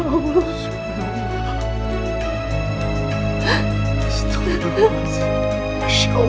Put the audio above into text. aku buka ya